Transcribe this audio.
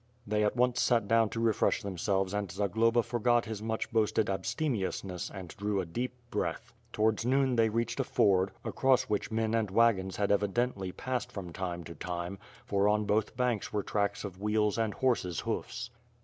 1'hey at once sat down to refresh themselves and Zagloba forgot his much boasted abstemiousness and drew a deep breath. Towards noon they reached a ford, across which men and wagons had evidently passed from time to time; for on both banks were tracks of wheels and horses' hoofs.